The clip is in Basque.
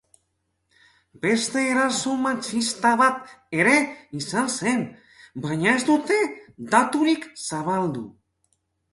Beste eraso matxista bat ere izan zen, baina ez dute daturik zabaldu.